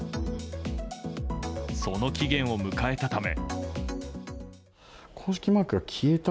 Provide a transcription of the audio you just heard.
その期限を迎えたため。